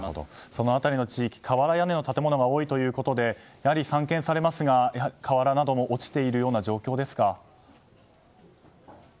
その辺りの地域瓦屋根の建物が多いということで散見されますが瓦なども落ちている状況ですか？